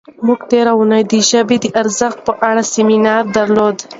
موږ تېره اونۍ د ژبې د ارزښت په اړه سیمینار درلود.